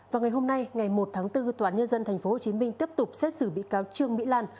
vào ngày hôm nay ngày một tháng bốn tòa án nhân dân tp hcm tiếp tục xét xử bị cáo trương mỹ lan